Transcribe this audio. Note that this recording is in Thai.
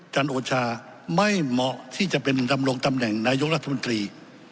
จันทร์โอชาไม่เหมาะที่จะเป็นดำรงตำแหน่งนายกรัฐมนตรี